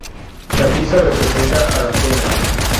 La pieza representa a Atenea.